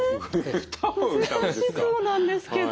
難しそうなんですけど。